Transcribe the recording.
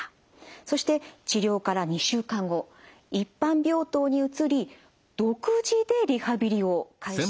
そして治療から２週間後一般病棟に移り独自でリハビリを開始されます。